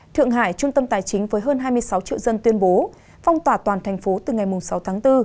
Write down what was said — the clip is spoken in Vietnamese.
thượng hải trung tâm tài chính với hơn hai mươi sáu triệu dân tuyên bố phong tỏa toàn thành phố từ ngày sáu tháng bốn